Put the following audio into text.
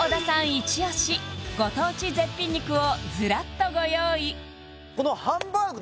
イチオシご当地絶品肉をずらっとご用意